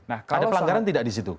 ada pelanggaran tidak di situ